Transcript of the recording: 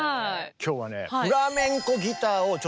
今日はね